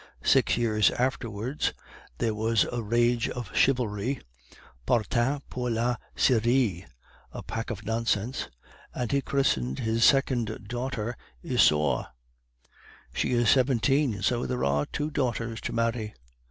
Six years afterwards there was a rage for chivalry, Partant pour la Syrie a pack of nonsense and he christened his second daughter Isaure. She is seventeen. So there are two daughters to marry.